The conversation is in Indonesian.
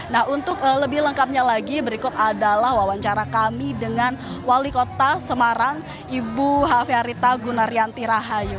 nah untuk lebih lengkapnya lagi berikut adalah wawancara kami dengan wali kota semarang ibu hafearita gunaryanti rahayu